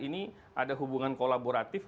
ini ada hubungan kolaboratif